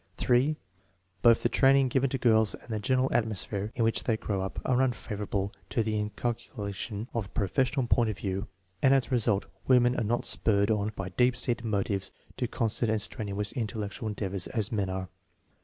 (3) Both the training given to girls and the general atmosphere in which they grow up are unfavorable to the inculcation of the pro fessional point of view, and as a result women are not spurred on by deep seated motives to constant and strenuous in tellectual endeavor as men are.